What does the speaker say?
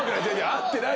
合ってない？